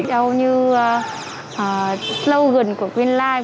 đâu như slogan của green life